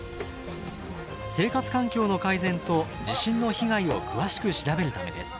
生活環境の改善と地震の被害を詳しく調べるためです。